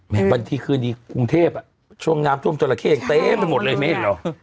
แม้วันที่คืนนี้กรุงเทพอ่ะช่วงงามช่วงจอละเข้ยังเต๊ะไปหมดเลยไม่เห็นเหรอ